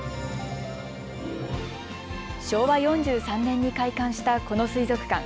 昭和４３年に開館したこの水族館。